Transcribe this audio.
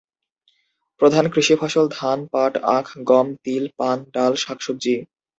প্রধান কৃষি ফসল ধান, পাট, আখ, গম, তিল, পান, ডাল, শাকসবজি।